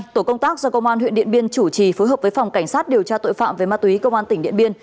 tổ công tác do công an huyện điện biên chủ trì phối hợp với phòng cảnh sát điều tra tội phạm về ma túy công an tỉnh điện biên